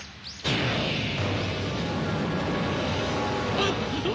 あっ。